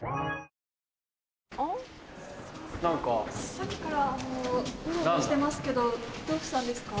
さっきからウロウロしてますけどどうしたんですか？